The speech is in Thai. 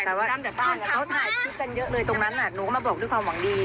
แต่ว่าเขาถ่ายคลิปกันเยอะเลยตรงนั้นหนูก็มาบอกด้วยความหวังดี